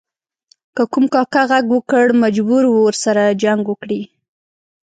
که کوم کاکه ږغ وکړ مجبور و ورسره جنګ وکړي.